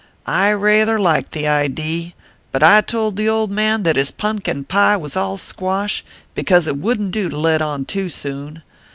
I rayther liked the idee : but I told the old man that his punkin pie was all squash ; because it wouldn t do to let on too soon.